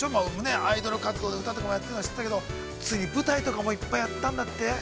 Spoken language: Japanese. アイドル活動で、歌とかしてたけど、ついに舞台とかもいっぱいやったんだって？